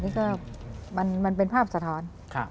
นี่ก็มันเป็นภาพสะท้อน